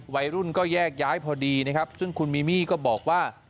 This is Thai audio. วัยรุ่นก็แยกย้ายพอดีนะครับซึ่งคุณมิมี่ก็บอกว่า